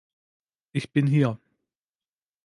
Ich bin hier.